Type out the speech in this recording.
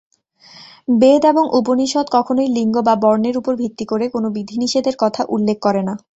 বেদ এবং উপনিষদ কখনই লিঙ্গ বা বর্ণের উপর ভিত্তি করে কোন বিধিনিষেধের কথা উল্লেখ করে না।